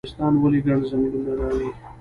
نورستان ولې ګڼ ځنګلونه لري؟